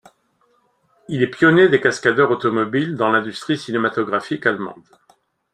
Il est pionier des cascadeurs automobiles dans l'industrie cinématographique allemande.